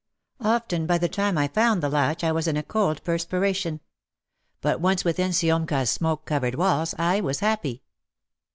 Often by the time I found the latch I was in a cold perspiration. But once within Siomka's smoke covered walls, I was happy.